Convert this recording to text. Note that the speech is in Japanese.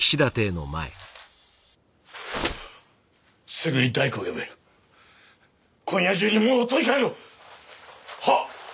すぐに大工を呼べ今夜中に門を取り替えろはっ！